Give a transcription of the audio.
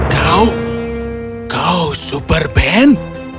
kau kau super ben